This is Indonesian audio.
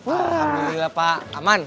ambil nih pak aman